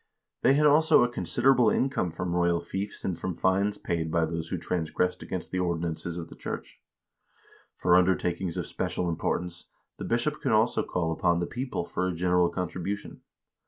They had also a considerable income from royal fiefs and from fines paid by those who transgressed against the ordinances of the church. For undertakings of special importance the bishop could also call upon the people for a general contribution.